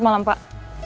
selamat malam pak